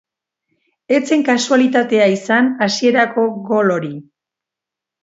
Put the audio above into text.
Ez zen kasualitatea izan hasierako gol hori.